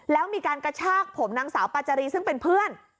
แล้วมีการกระชากผมนางสาวปาจารีซึ่งเป็นเพื่อน